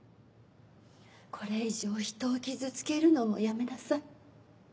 これ以上ひとを傷つけるのもやめなさい。